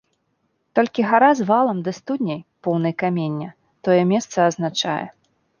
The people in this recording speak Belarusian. Толькі гара з валам ды студняй, поўнай камення, тое месца азначае.